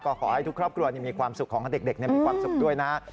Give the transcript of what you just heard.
ก็ขอให้ทุกครอบครัวมีความสุขของเด็กมีความสุขด้วยนะฮะ